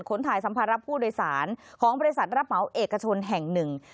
ขนถ่ายสัมภารป์ผู้โดยศาลของเปรตศัตริย์รับเหมาเอกชนแห่งหนึ่ง